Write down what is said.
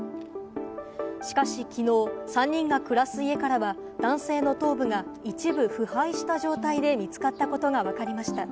しかしきのう３人が暮らす家からは男性の頭部が一部腐敗した状態で見つかったことがわかりました。